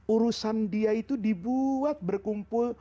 urusan dia itu dibuat berkumpul